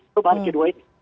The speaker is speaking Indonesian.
itu bahan kedua ini